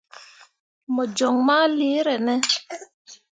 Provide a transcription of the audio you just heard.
Mo joŋ ma leere ne ?